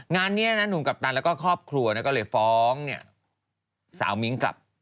งานนี้นะหนุ่มกัปตันแล้วก็ครอบครัวก็เลยฟ้องสาวมิ้งกลับ